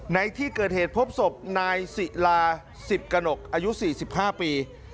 ในที่เกิดเหตุพบสุขนายสิราสิบกนกอายุ๔๕ปี